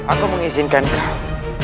aku mengizinkan kau